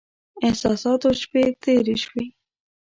احساساتو شپې تېرې شوې.